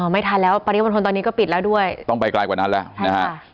ไม่ทันแล้วปริมณฑลตอนนี้ก็ปิดแล้วด้วยต้องไปไกลกว่านั้นแล้วนะฮะ